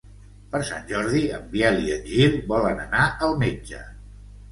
Per Sant Jordi en Biel i en Gil volen anar al metge.